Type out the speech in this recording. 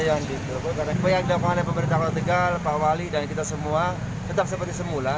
karena pengadilan pemerintah kota tegal pak wali dan kita semua tetap seperti semula